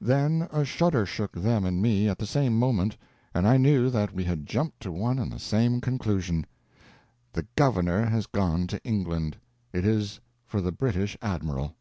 Then a shudder shook them and me at the same moment, and I knew that we had jumped to one and the same conclusion: "The governor has gone to England; it is for the British admiral!"